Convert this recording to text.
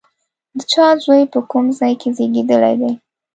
د چا زوی، په کوم ځای کې زېږېدلی دی؟